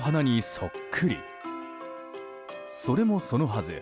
それもそのはず